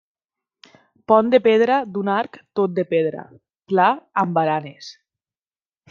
Pont de pedra d'un arc tot de pedra, pla amb baranes.